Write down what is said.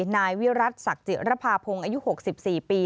นายวิรัติศักดิ์ระภาพงศ์อายุหกสิบสี่ปี